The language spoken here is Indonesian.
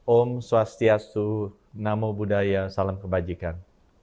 om swastiastu namo buddhaya salam kebajikan